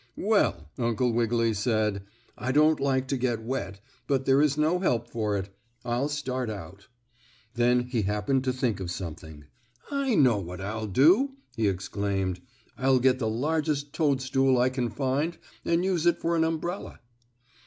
"Well," Uncle Wiggily said. "I don't like to get wet, but there is no help for it. I'll start out." Then he happened to think of something. "I know what I'll do!" he exclaimed. "I'll get the largest toadstool I can find, and use it for an umbrella."